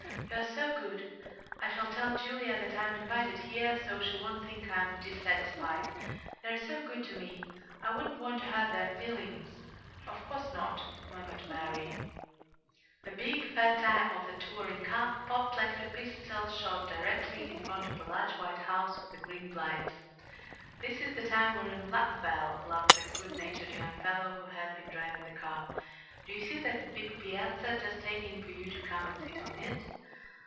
"You are so good. I shall tell Julia that I'm invited here, so she won't think I'm dissatisfied. They're so good to me I wouldn't want to hurt their feelings!" "Of course not," murmured Mary. The big, fat tire of the touring car popped like a pistol shot directly in front of the large white house with the green blinds. "This is the time we're in luck, Belle," laughed the good natured young fellow who had been driving the car. "Do you see that big piazza just aching for you to come and sit on it?"